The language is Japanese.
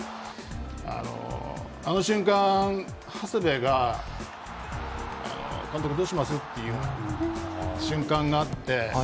あの瞬間、長谷部が監督どうします？というような瞬間があって。